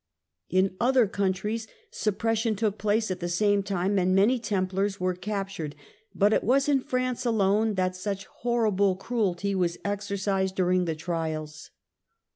In other countries suppression took place at the same time, and many Templars were captured, but it was in France alone that such horrible cruelty was exercised during the trials.